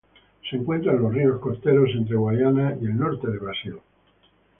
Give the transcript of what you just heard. Se encuentra en los ríos costeros entre Guayana y el norte del Brasil.